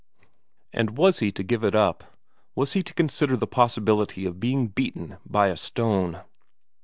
And was he to give it up, was he to consider the possibility of being beaten by a stone?